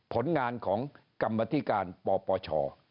ผลงานของกรรมธิการปปช